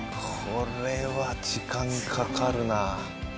これは時間かかるな。